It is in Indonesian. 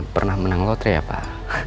pernah menang lotre ya pak